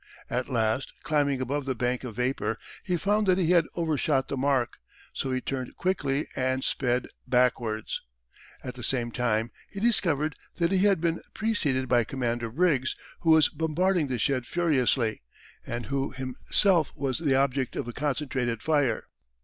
At last, climbing above the bank of vapour, he found that he had overshot the mark, so he turned quickly and sped backwards. At the same time he discovered that he had been preceded by Commander Briggs, who was bombarding the shed furiously, and who himself was the object of a concentrated fire.